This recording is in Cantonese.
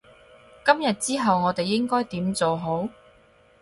今日之後我哋應該點做好？